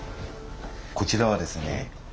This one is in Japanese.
こちらはですね